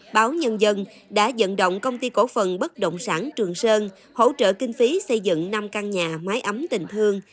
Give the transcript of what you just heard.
báo nhân dân đã dẫn động công ty cổ phần bất động sản trường sơn hỗ trợ kinh phí xây dựng năm căn nhà máy ấm tình thương